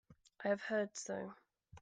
I have heard so.